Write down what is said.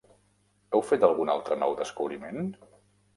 Heu fet algun altre nou descobriment?